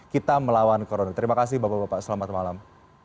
kita melawan corona terima kasih bapak bapak selamat malam